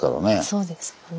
そうですよね。